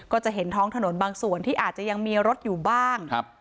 ก็จะเห็นท้องถนนบางส่วนที่อาจจะยังมีรถอยู่บ้างครับ